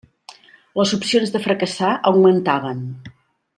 Les opcions de fracassar augmentaven.